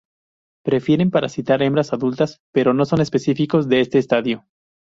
Prefieren parasitar hembras adultas pero no son específicos de este estadio.